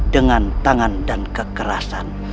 dengan tangan dan kekerasan